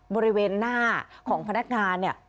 บริเวณหน้าของพนักงานเนี่ย